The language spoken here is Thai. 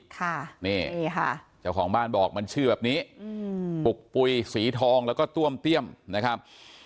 ค่ะนี่ค่ะเจ้าของบ้านบอกมันชื่อแบบนี้อืมปุกปุ๋ยสีทองแล้วก็ต้วมเตี้ยมนะครับ